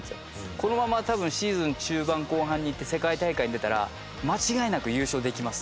このまま多分シーズン中盤後半にいって世界大会に出たら間違いなく優勝できます。